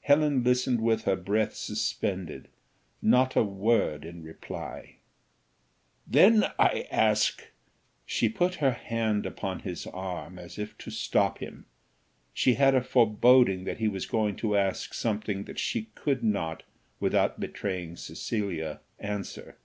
Helen listened with her breath suspended, not a word in reply. "Then I ask " She put her hand upon his arm, as if to stop him; she had a foreboding that he was going to ask something that she could not, without betraying Cecilia, answer.